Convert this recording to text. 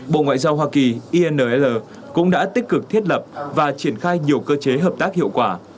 bộ ngoại giao hoa kỳ inr cũng đã tích cực thiết lập và triển khai nhiều cơ chế hợp tác hiệu quả